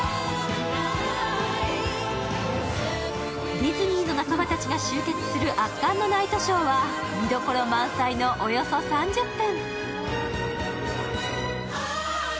ディズニーの仲間たちが集結する圧巻のナイトショーは見どころ満載のおよそ３０分。